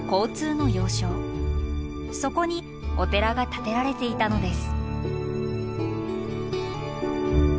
そこにお寺が建てられていたのです。